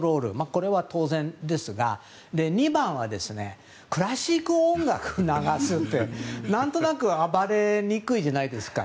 これは当然ですが２番は、クラシック音楽を流すって、何となく暴れにくいじゃないですか。